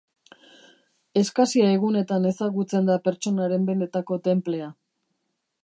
Eskasia egunetan ezagutzen da pertsonaren benetako tenplea.